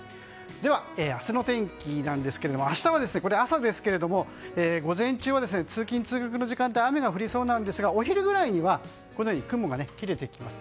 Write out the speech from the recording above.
では、明日の天気なんですが明日はこれは朝ですけど午前中は通勤・通学の時間帯雨が降りそうなんですがお昼ぐらいには雲が切れてきます。